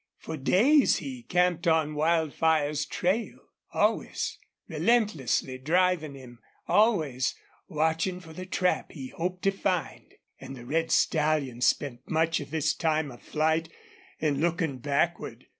For days he camped on Wildfire's trail, always relentlessly driving him, always watching for the trap he hoped to find. And the red stallion spent much of this time of flight in looking backward.